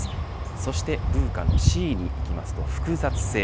そしてＶＵＣＡのＣにいきますと複雑性。